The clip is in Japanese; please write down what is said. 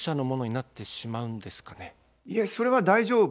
あっそれは大丈夫。